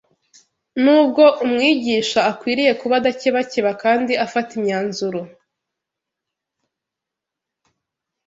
Nubwo umwigisha akwiriye kuba adakebakeba kandi afata imyanzuro